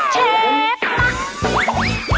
เชฟปะ